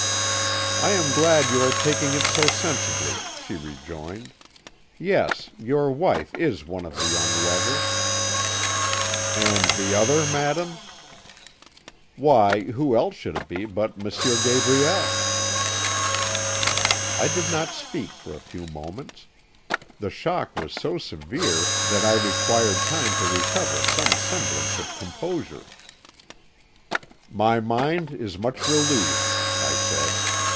"'I am glad you are taking it so sensibly,' she rejoined. 'Yes, your wife is one of the young lovers.' "'And the other, madam.' "'Why, who else should it be but M. Gabriel?' "I did not speak for a few moments. The shock was so severe that I required time to recover some semblance of composure. "'My mind is much relieved,' I said.